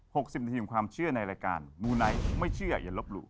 หกสิบนาทีของความเชื่อในรายการมูไนท์ไม่เชื่ออย่าลบหลู่